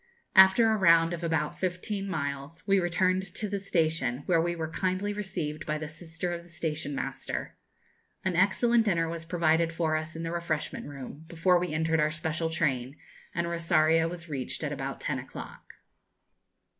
After a round of about fifteen miles, we returned to the station, where we were kindly received by the sister of the station master. An excellent dinner was provided for us in the refreshment room, before we entered our special train, and Rosario was reached at about ten o'clock.